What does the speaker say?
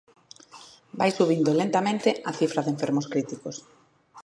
Vai subindo lentamente a cifra de enfermos críticos.